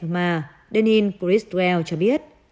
mà daniel criswell cho biết